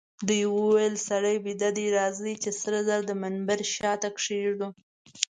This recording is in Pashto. دوی وویل: سړی بیده دئ، راځئ چي سره زر د منبر شاته کښېږدو.